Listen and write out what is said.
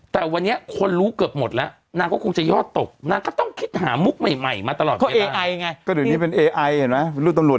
แต่วันนี้คนรู้เกือบหมดแล้วนางก็คงจะยอดตกนางก็ต้องคิดหามุกใหม่มาตลอด